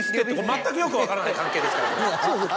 全くよく分からない関係ですから。